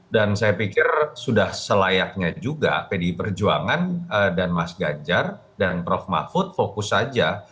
dan saya pikir sudah selayaknya juga pdi perjuangan dan mas gajar dan prof mahfud fokus saja